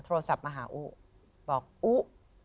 โทรศัพท์มาหาอุบอกอุ๊